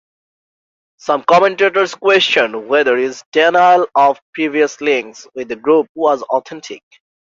Some commentators questioned whether his denial of previous links with the group was authentic.